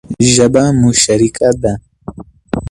ژبه مو شريکه ده.